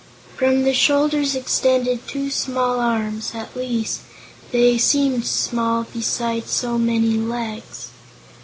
From the shoulders extended two small arms; at least, they seemed small beside so many legs.